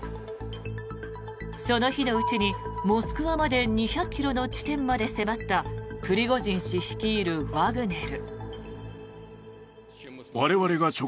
その日のうちに、モスクワまで２００ｋｍの地点まで迫ったプリゴジン氏率いるワグネル。